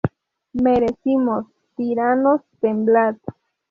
Merecimos: ¡tiranos, temblad!